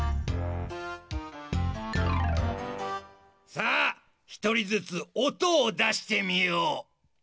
さあひとりずつおとをだしてみよう。